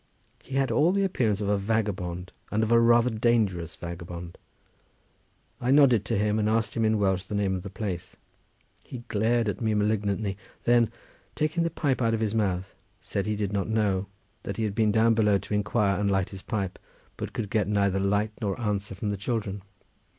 He had all the appearance of a vagabond, and of a rather dangerous vagabond. I nodded to him, and asked him in Welsh the name of the place. He glared at me malignantly, then taking the pipe out of his mouth, said that he did not know, that he had been down below to inquire and light his pipe, but could get neither light nor answer from the children.